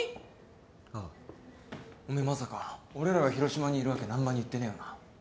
おめえまさか俺らが広島にいる訳難破に言ってねえよな？